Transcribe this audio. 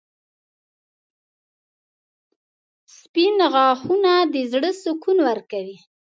• سپین غاښونه د زړه سکون ورکوي.